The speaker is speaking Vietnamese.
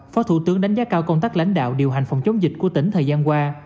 phó thủ tướng đánh giá cao công tác lãnh đạo điều hành phòng chống dịch của tỉnh thời gian qua